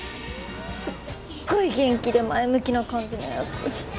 すっごい元気で前向きな感じのやつ。